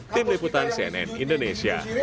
tim liputan cnn indonesia